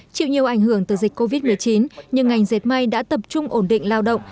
chịu nhiều ảnh hưởng từ dịch covid một mươi chín nhưng ngành dệt may đã tập trung ổn định lao động